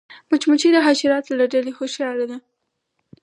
مچمچۍ د حشراتو له ډلې هوښیاره ده